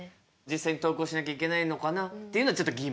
実際に登校しなきゃいけないのかなというのはちょっと疑問。